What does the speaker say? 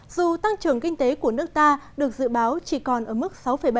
dù tăng trưởng kinh tế của nước ta được dự báo chỉ còn ở mức sáu bảy